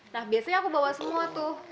nah biasanya aku bawa semua tuh